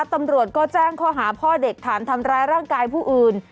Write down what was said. ตำรวจก็แจ้งข้อหาพ่อเด็กฐานทำร้ายร่างกายผู้อื่น